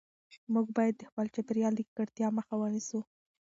موږ باید د خپل چاپیریال د ککړتیا مخه ونیسو.